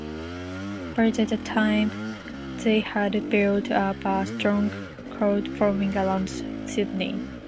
By that time they had built up a strong cult following around Sydney.